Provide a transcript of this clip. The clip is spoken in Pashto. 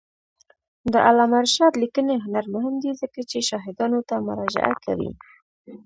د علامه رشاد لیکنی هنر مهم دی ځکه چې شاهدانو ته مراجعه کوي.